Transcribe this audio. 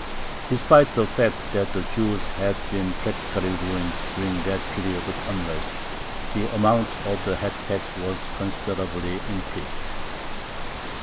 Despite the fact that the Jews had been practically ruined during that period of unrest, the amount of the head tax was considerably increased.